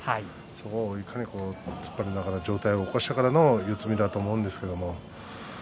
そこをいかに突っ張りながら上体を起こしてからの四つ身だと思うんですけれども。